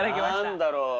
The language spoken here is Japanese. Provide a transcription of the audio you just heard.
何だろう？